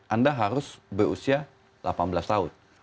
anda harus berusia delapan belas tahun